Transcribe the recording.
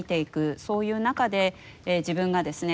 そういう中で自分がですね